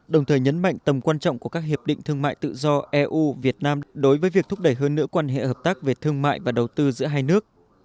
đồng thời nhấn mạnh tầm quan trọng của các hiệp định thương mại tự do eu việt nam đối với việc thúc đẩy hơn nữa quan hệ hợp tác về thương mại và đầu tư giữa hai nước